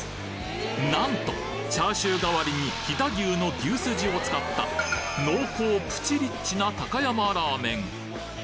なんとチャーシュー代わりに飛騨牛の牛すじを使った濃厚プチリッチな高山ラーメン